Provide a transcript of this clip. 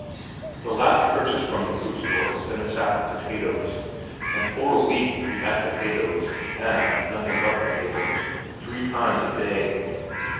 The last purchase from the fruit store had been a sack of potatoes, and for a week he had potatoes, and nothing but potatoes, three times a day.